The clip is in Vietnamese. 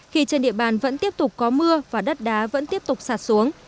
khi trên địa bàn vẫn tiếp tục có mưa và đất đá vẫn tiếp tục sạt xuống